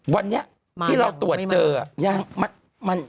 วันนี้ที่เราตรวจเจอยัง